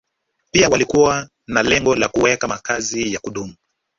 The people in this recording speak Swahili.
Pia walikuwa na lengo la kuweka makazi ya kudumu